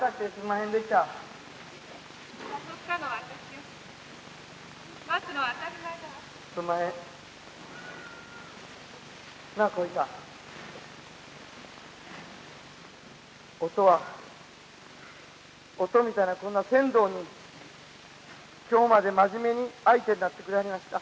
於兎みたいなこんな船頭に今日まで真面目に相手になってくれはりました。